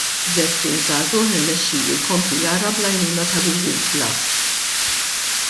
Żeffien żagħżugħ irnexxielu jkompli jara bl-għajnuna ta' Google Glass.